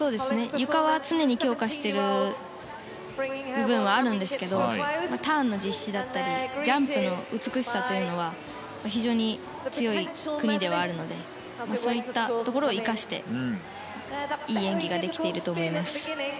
ゆかは常に強化している部分はあるんですけれどもターンの実施だったりジャンプの美しさというのは非常に強い国ではあるのでそういったところを生かしていい演技ができてると思います。